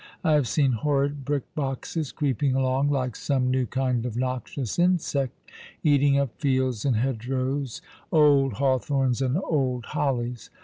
I have seen horrid brick boxes creeping along like some new kind of noxious insect, eating up fields and hedgerows, old hawthorns and old hollies.